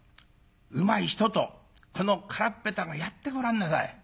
うまい人と空っ下手がやってごらんなさい。